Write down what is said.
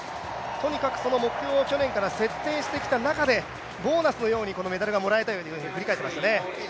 とにかくその目標を去年から設定してきた中で、ボーナスのようにこのメダルがもらえたと振り返っていましたね。